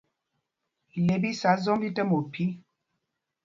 Ile ɓi sá zɔm tí tɛm ophī.